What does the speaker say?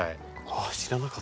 知らなかった。